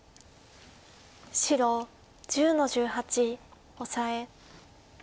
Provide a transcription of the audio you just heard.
白１０の十八オサエ。